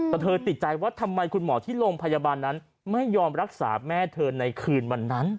แต่เธอติดใจว่าทำไมคุณหมอที่โรงพยาบาลนั้นไม่ยอมรักษาแม่เธอในคืนวันนั้น